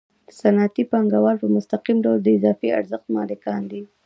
صنعتي پانګوال په مستقیم ډول د اضافي ارزښت مالکان دي